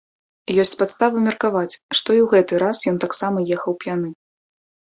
Ёсць падставы меркаваць, што і ў гэты раз ён таксама ехаў п'яны.